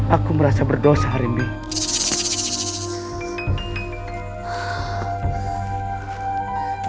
aku merasa berdosa arimie